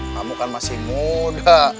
kamu kan masih muda